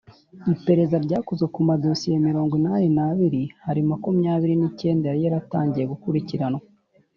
iperereza ryakozwe ku madosiye mirongo inani n’abiri , harimo makumyabiri n’icyenda yari yaratangiye gukurikiranwa